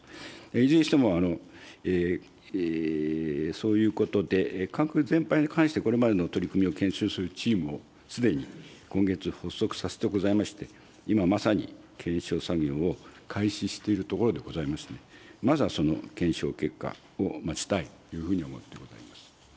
いずれにしても、そういうことで、改革全般に関して、これまでの取り組みを検証するチームを、すでに今月発足させてございまして、今まさに検証作業を開始しているところでございますので、まずはその検証結果を待ちたいというふうに思ってございます。